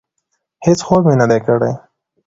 هېڅ خوب مې نه دی کړی.